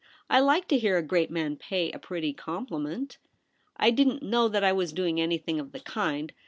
I like to hear a great man pay a pretty compliment.' ' I didn't know that I was doing anything of the kind.